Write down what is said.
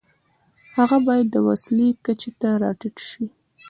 هغه باید د وسیلې کچې ته را ټیټ نشي.